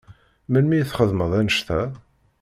Melmi i txedmeḍ annect-a?